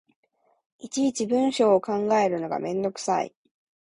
いちいち文章を考えるのがめんどくさい